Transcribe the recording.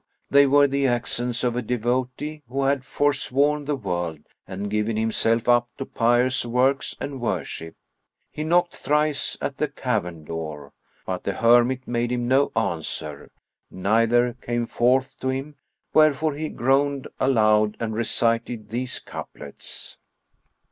they were the accents of a devotee, who had forsworn the world and given himself up to pious works and worship. He knocked thrice at the cavern door, but the hermit made him no answer, neither came forth to him; wherefore he groaned aloud and recited these couplets.